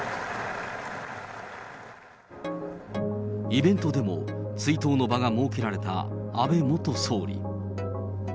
イベントでも、追悼の場が設けられた安倍元総理。